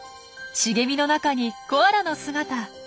茂みの中にコアラの姿。